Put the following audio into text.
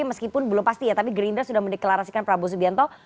meskipun belum pasti ya tapi gerindra sudah mendeklarasikan prabowo subianto